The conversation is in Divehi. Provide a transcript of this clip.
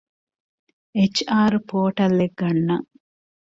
އެޗް.އާރު ޕޯޓަލްއެއް ގަންނަން